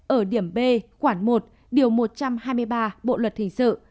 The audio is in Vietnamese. ở điểm b khoảng một điều một trăm hai mươi ba bộ luật hình sự